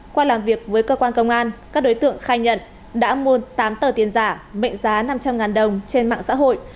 qua làm việc với cơ quan công an các đối tượng khai nhận đã mua tám tờ tiền giả mệnh giá năm trăm linh đồng trên mạng xã hội